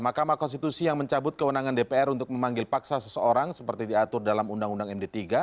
mahkamah konstitusi yang mencabut kewenangan dpr untuk memanggil paksa seseorang seperti diatur dalam undang undang md tiga